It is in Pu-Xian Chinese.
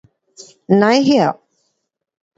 Nai hyo